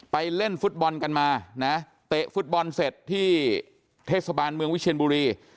เล่นฟุตบอลกันมานะเตะฟุตบอลเสร็จที่เทศบาลเมืองวิเชียนบุรี